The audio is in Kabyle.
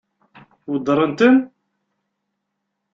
Weddṛen-ten?